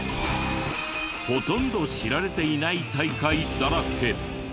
ほとんど知られていない大会だらけ。